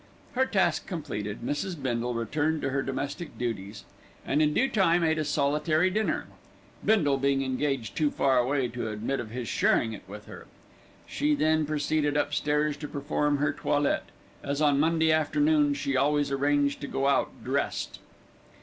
Her task completed, Mrs. Bindle returned to her domestic duties, and in due time ate a solitary dinner, Bindle being engaged too far away to admit of his sharing it with her. She then proceeded upstairs to perform her toilette, as on Monday afternoons she always arranged to go out "dressed".